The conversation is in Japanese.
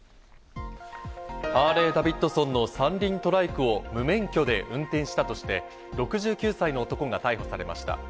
ハーレーダビッドソンの３輪トライクを無免許で運転したとして、６９歳の男が逮捕されました。